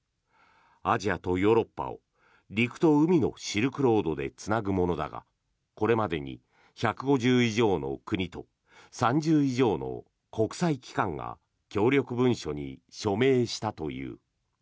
アジアとヨーロッパを陸と海のシルクロードでつなぐものだがこれまでに１５０以上の国と３０以上の国際機関が協力文書に署名したという。